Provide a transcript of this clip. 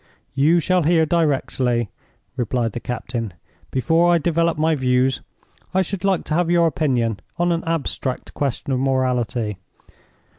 "You shall hear directly," replied the captain. "Before I develop my views, I should like to have your opinion on an abstract question of morality.